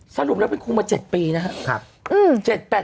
สรุปแล้วเป็นครูมา๗ปีนะครับ